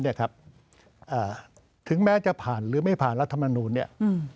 อ่าถึงแม้จะผ่านหรือไม่ผ่านรัฐบาลนูนเนี่ย